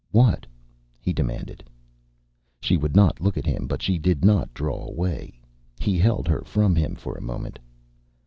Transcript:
"What?" he demanded. She would not look at him, but she did not draw away. He held her from him for a moment.